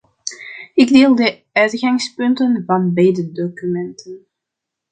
Ik deel de uitgangspunten van beide documenten.